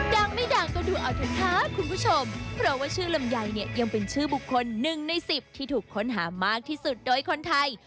ดังไม่ดังก็ดูเอาเถอะค่ะคุณผู้ชมเพราะว่าชื่อลำไยเนี่ยยังเป็นชื่อบุคคลหนึ่งในสิบที่ถูกค้นหามากที่สุดโดยคนไทย